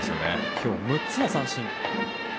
今日、６つの三振。